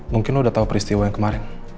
mungkin lo udah tau peristiwa yang kemarin